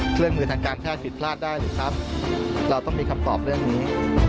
เครื่องมือทางการแพทย์ผิดพลาดได้หรือครับเราต้องมีคำตอบเรื่องนี้